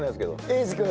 英二君